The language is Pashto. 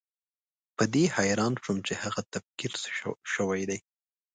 په دې حیران شوم چې هغه تکفیر شوی دی.